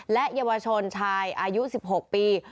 และเยาวชนชายอายุ๑๖ปี